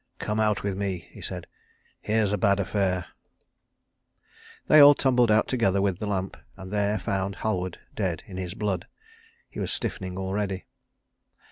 "Come out with me," he said. "Here's a bad affair." They all tumbled out together with the lamp, and there found Halward dead in his blood. He was stiffening already.